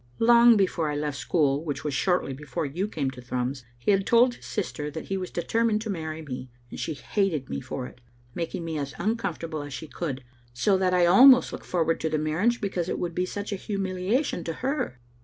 Long before I left school, which was shortly before you came to Thrums, he had told his sis ter that he was determined to marry me, and she hated me for it, making me as uncomfortable as she could, so that lalmost looked forward to the marriage because it would be such a humiliation to her."